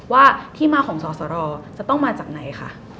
ว่าที่มาของสอสรจะต้องมาจากไหนคะ